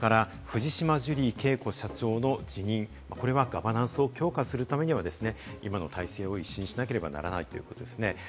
藤島ジュリー景子社長の辞任、これはガバナンスを強化するためには、今の体制を一新しなければならないということですね。